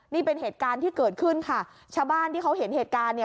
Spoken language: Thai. นี่เป็นเหตุการณ์ที่เกิดขึ้นค่ะชาวบ้านที่เขาเห็นเหตุการณ์เนี่ย